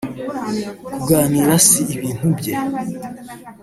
Kuganira si ibintu bye